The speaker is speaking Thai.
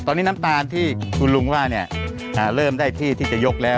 ตอนนี้น้ำตาลที่คุณลุงว่าเริ่มได้ที่ที่จะยกแล้ว